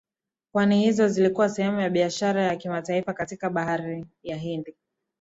Pwani hizo zilikuwa sehemu ya biashara ya kimataifa katika Bahari ya Hindi